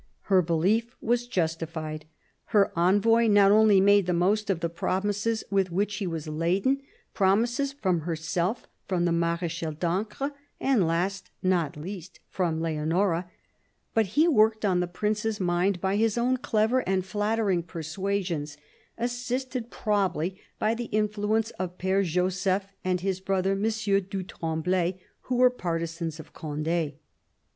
Her belief was justified. Her envoy not only made the most of the promises with which he was laden — promises from herself, from the Mar^chal d'Ancre, and last, not least, from Leonora — but he worked on the Prince's mind by his own clever and flattering persuasions, assisted probably by the influence of P^re Joseph and his brother, M. du Tremblay, who were partisans of Cond6.